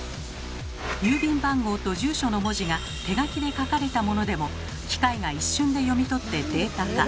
郵便番号と住所の文字が手書きで書かれたものでも機械が一瞬で読み取ってデータ化。